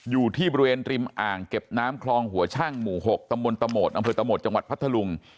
อยู่ที่บริเวณริมอ่างเก็บน้ำคลองหัวช่างหมู่๖ตมตอตจังหวัดพัทธลุง